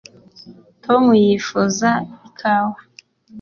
tom yifuza ikawa